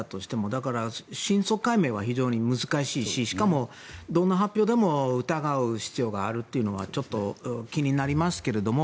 だから真相解明は非常に難しいししかも、どんな発表でも疑う必要があるというのがちょっと気になりますけれども。